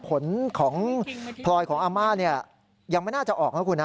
ผลของพลอยของอาม่าเนี่ยยังไม่น่าจะออกนะคุณนะ